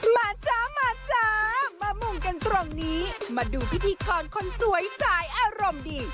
มาจ๊ะมาจ๊ะมามุ่งกันตรงนี้มาดูพิธีคอนคนสวยสายอารมณ์ดี